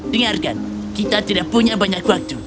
dengarkan kita tidak punya banyak waktu